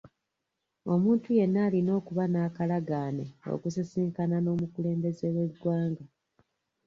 Omuntu yenna alina okuba n'akalagaane okusisinkana n'omukulembeze w'eggwanga.